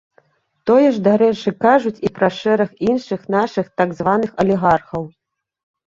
Тое ж, дарэчы, кажуць і пра шэраг іншых нашых так званых алігархаў.